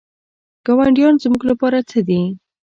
ګاونډیان زموږ لپاره څه دي؟